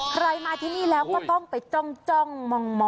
ใครมาที่นี่แล้วก็ต้องไปจ้องมอง